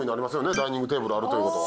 ダイニングテーブルあるということは。